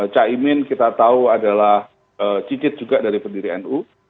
cak imin kita tahu adalah cicit juga dari pendiri nu